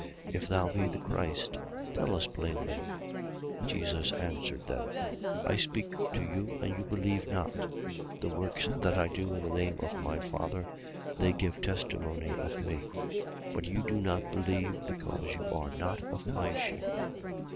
If thou be the Christ, tell us plainly. 10:25. Jesus answered them: I speak to you, and you believe not: the works that I do in the name of my Father, they give testimony of me. 10:26. But you do not believe, because you are not of my sheep.